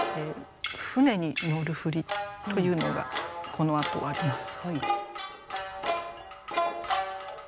舟に乗る振りというのがこのあとあります。